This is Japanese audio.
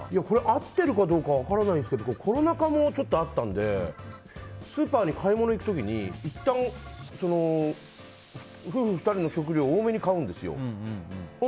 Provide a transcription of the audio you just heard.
これは合ってるかどうか分からないんですけどコロナ禍もあったのでスーパーに買い物に行く時にいったん夫婦２人の食糧を多めに買うんですよ。